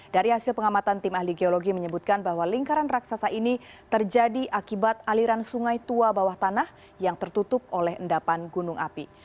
dari hasil pengamatan tim ahli geologi menyebutkan bahwa lingkaran raksasa ini terjadi akibat aliran sungai tua bawah tanah yang tertutup oleh endapan gunung api